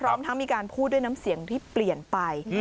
แล้วคุณผู้ชมมีการพูดด้วยน้ำเสียงที่เปลี่ยนไป